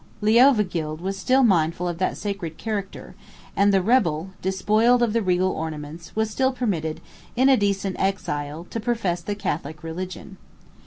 Leovigild was still mindful of that sacred character; and the rebel, despoiled of the regal ornaments, was still permitted, in a decent exile, to profess the Catholic religion.